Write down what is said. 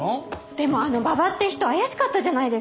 でもあの馬場って人怪しかったじゃないですか。